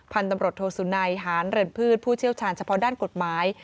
พันธุ์ตำรวจโทสุนัยหานเรือนพืชผู้เชี่ยวชาญเฉพาะด้านกฎหมาย